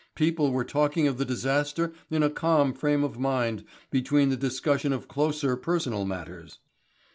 People were talking of the disaster in a calm frame of mind between the discussion of closer personal matters.